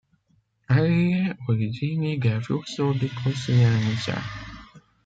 Alle origini del flusso di coscienza.